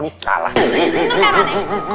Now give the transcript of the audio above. bener kata si haikal